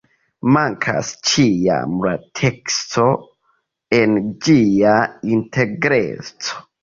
Mankas ĉiam la teksto en ĝia integreco.